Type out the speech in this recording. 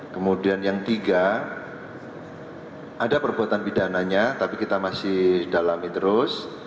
kemudian yang tiga ada perbuatan pidananya tapi kita masih dalami terus